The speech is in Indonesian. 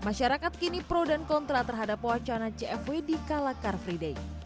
masyarakat kini pro dan kontra terhadap wacana cfw di kala car free day